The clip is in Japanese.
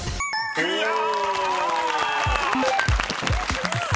・すごい！